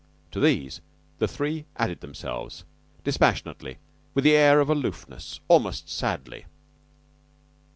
To these the three added themselves, dispassionately, with an air of aloofness, almost sadly.